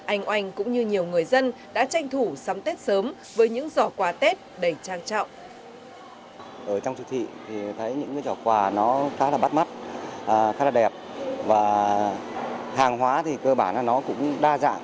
anh oanh cũng như nhiều người dân đã tranh thủ sắm tết sớm với những giỏ quà tết đầy trang trọng